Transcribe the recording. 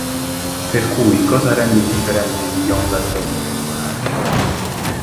Per cui, cosa rende differente Villon dai suoi contemporanei?